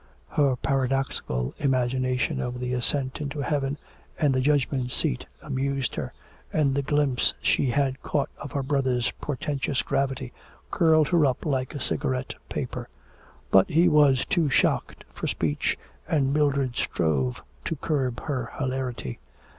Her paradoxical imagination of the ascent into Heaven and the judgment seat amused her, and the glimpse she had caught of her brother's portentous gravity curled her up like a cigarette paper. But he was too shocked for speech, and Mildred strove to curb her hilarity.